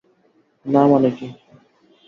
না মানে কী?